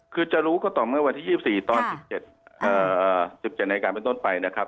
คือจะรู้ก็ตอนเมื่อวันที่๒๔ตอน๑๗ในการไปนวดไปนะครับ